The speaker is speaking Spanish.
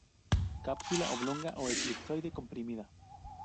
Cápsula oblonga o elipsoide, comprimida.